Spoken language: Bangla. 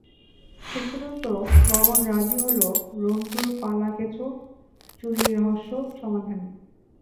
শেষ পর্যন্ত গগন রাজি হলো রন্টুর পালা কেঁচো চুরির রহস্য সমাধানে।